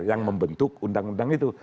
yang membentuk undang undang itu